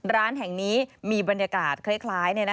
ร้านแห่งนี้มีบรรยากาศคล้าย